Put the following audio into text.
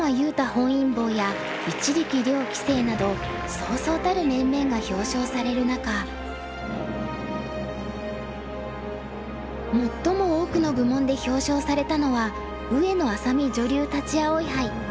本因坊や一力遼棋聖などそうそうたる面々が表彰される中最も多くの部門で表彰されたのは上野愛咲美女流立葵杯。